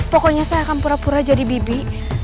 pokoknya saya akan pura pura jadi bibi